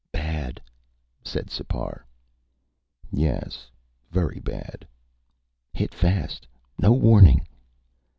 "Bad," said Sipar. "Yes, very bad." "Hit fast. No warning."